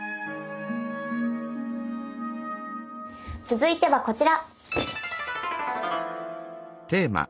続いてはこちら。